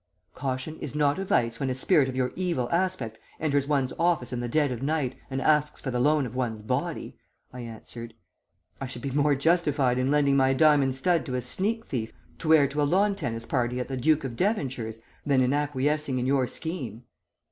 "'Caution is not a vice when a spirit of your evil aspect enters one's office in the dead of night, and asks for the loan of one's body,' I answered. 'I should be more justified in lending my diamond stud to a sneak thief to wear to a lawn tennis party at the Duke of Devonshire's, than in acquiescing in your scheme.'